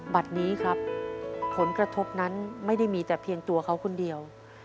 บัตรนี้ครับผลกระทบนั้นไม่ได้มีแต่เพียงตัวเขาคนเดียว